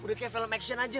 udah kayak film action